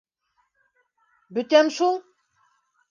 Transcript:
Бөтәм шул!